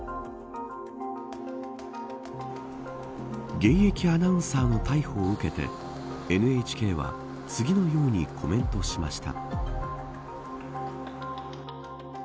現役アナウンサーの逮捕を受けてＮＨＫは次のようにコメントしました。